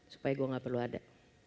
supaya gue gak perlu ada